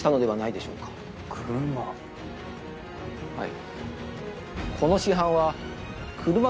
はい。